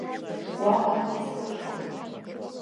Уаҟа акгьы сылшом.